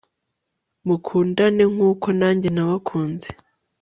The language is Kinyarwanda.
mukundane nk'uko nange nabakunze